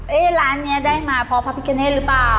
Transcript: เอ๊ะร้านนี้ได้มาเพราะพาพิคะเน่หรือเปล่า